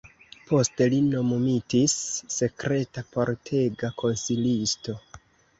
Poste li nomumitis sekreta kortega konsilisto.